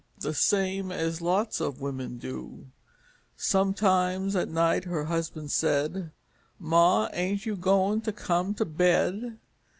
The same as lots of wimmin do; Sometimes at night her husban' said, "Ma, ain't you goin' to come to bed?"